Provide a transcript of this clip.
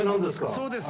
「そうです」